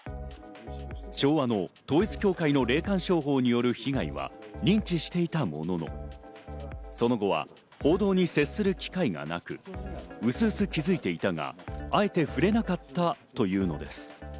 昭和の統一教会の霊感商法による被害は認知していたものの、その後は報道に接する機会がなく、うすうす気づいていたが、あえて触れなかったというのです。